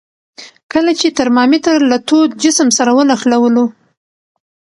کله چې ترمامتر له تود جسم سره ونښلولو.